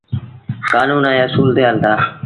ڪآنون ائيٚݩ اسول تي هلتآ۔